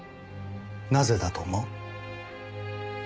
なぜだと思う？